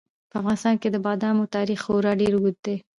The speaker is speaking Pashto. په افغانستان کې د بادامو تاریخ خورا ډېر اوږد دی.